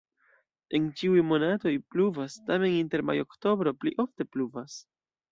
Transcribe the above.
En ĉiuj monatoj pluvas, tamen inter majo-oktobro pli ofte pluvas.